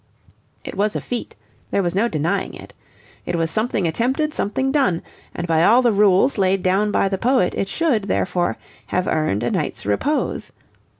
It was a feat, there was no denying it. It was something attempted, something done: and by all the rules laid down by the poet it should, therefore, have earned a night's repose.